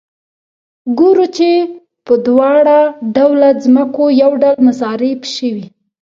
ګورو چې په دواړه ډوله ځمکو یو ډول مصارف شوي